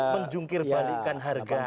menjungkir balikan harga